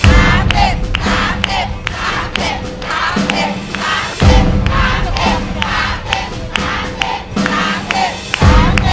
สามสิบสามสิบสามสิบสามสิบ